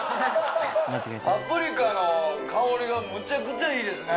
パプリカの香りがむちゃくちゃいいですね